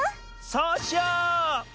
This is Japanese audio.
そうしよう！